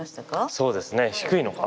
そうですね低いのか。